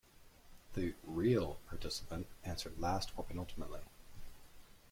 The "real" participant answered last or penultimately.